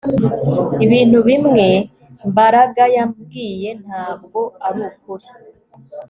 Ibintu bimwe Mbaraga yambwiye ntabwo arukuri